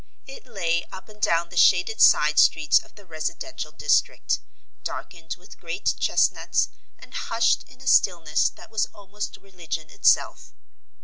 It lay up and down the shaded side streets of the residential district, darkened with great chestnuts and hushed in a stillness that was almost religion itself.